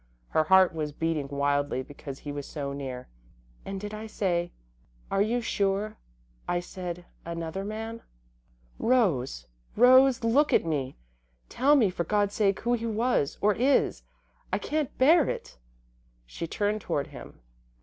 Her heart was beating wildly because he was so near. "And did I say are you sure I said another man?" "Rose! Rose! Look at me! Tell me, for God's sake, who he was or is. I can't bear it!" She turned toward him.